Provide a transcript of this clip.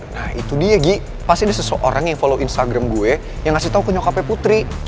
nah itu dia gi pasti ada seseorang yang follow instagram gue yang ngasih tau ke nyokapnya putri